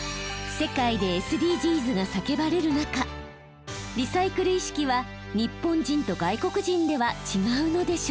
世界でＳＤＧｓが叫ばれる中リサイクル意識は日本人と外国人では違うのでしょうか？